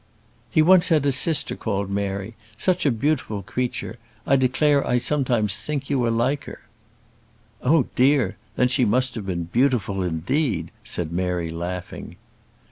"He once had a sister called Mary; such a beautiful creature! I declare I sometimes think you are like her." "Oh, dear! then she must have been beautiful indeed!" said Mary, laughing.